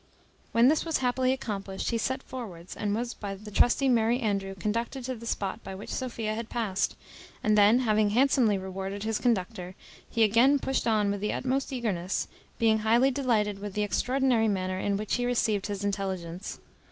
When this was happily accomplished, he set forwards, and was by the trusty Merry Andrew conducted to the spot by which Sophia had past; and then having handsomely rewarded his conductor, he again pushed on with the utmost eagerness, being highly delighted with the extraordinary manner in which he received his intelligence.